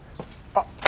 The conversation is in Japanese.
あっ！